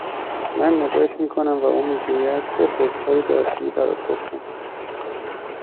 من نگاهش میکنم و او میگوید: بخور چای دارچینی برات پختم